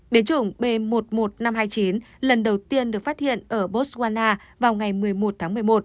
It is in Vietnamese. biến chủng b một mươi một nghìn năm trăm hai mươi chín lần đầu tiên được phát hiện ở botswana vào ngày một mươi một tháng một mươi một